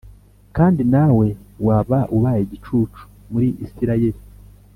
Kandi nawe waba ubaye igicucu muri Isirayeli.